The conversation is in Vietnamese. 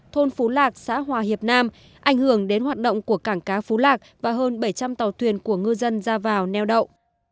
thôn phú lạc xã hòa hiệp nam ảnh hưởng đến hoạt động của cảng cá phú lạc và hơn bảy trăm linh tàu thuyền của ngư dân ra vào neo đậu